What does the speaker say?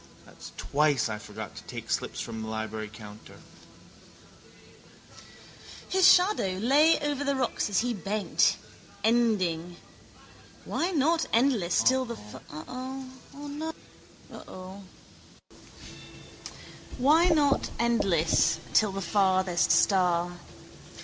That's twice I forgot to take slips from the library counter. His shadow lay over the rocks as he bent, ending. Why not endless till the farthest star?